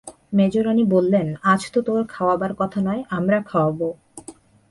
মেজোরানী বললেন, আজ তো তোর খাওয়াবার কথা নয়, আমরা খাওয়াব।